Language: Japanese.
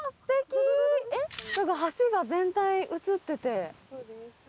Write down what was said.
橋が全体写ってて。